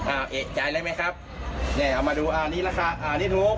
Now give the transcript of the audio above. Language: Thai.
อ่าเอกจ่ายได้ไหมครับเนี่ยเอามาดูอ่านี้นะคะอ่านี้ถูก